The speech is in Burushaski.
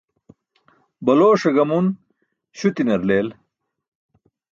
Balooṣe gamun śutinar leel.